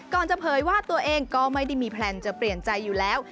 จะเผยว่าตัวเองก็ไม่ได้มีแพลนจะเปลี่ยนใจอยู่แล้ว